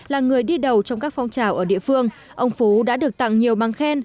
là người đi đầu trong các phong trào ở địa phương ông phú đã được tặng nhiều băng khen